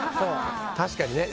確かにね。